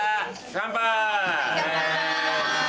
乾杯！